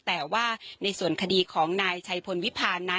แต่ว่าในส่วนคดีของนายชัยพลวิพาลนั้น